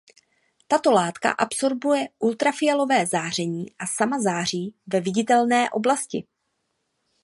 Tato látka absorbuje ultrafialové záření a sama září ve viditelné oblasti.